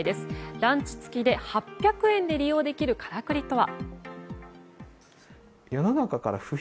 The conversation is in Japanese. ランチ付きで８００円で利用できるからくりとは？